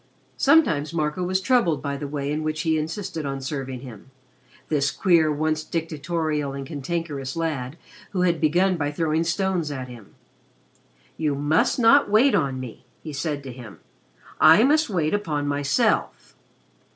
Sometimes, Marco was troubled by the way in which he insisted on serving him, this queer, once dictatorial and cantankerous lad who had begun by throwing stones at him. "You must not wait on me," he said to him. "I must wait upon myself."